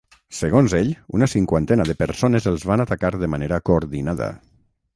Segons ells, una cinquantena de persones els van atacar de manera coordinada.